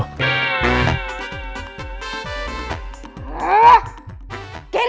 tidak itu terserah